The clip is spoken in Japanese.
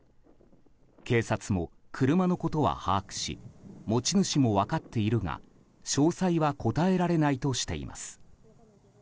警察も車のことは把握し持ち主も分かっているが詳細は答えられないとしています。